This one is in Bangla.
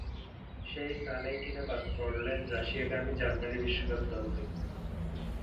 সেই সানেই কি না বাদ পড়লেন রাশিয়াগামী জার্মানি বিশ্বকাপ দল থেকে।